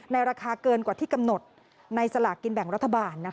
ราคาเกินกว่าที่กำหนดในสลากกินแบ่งรัฐบาล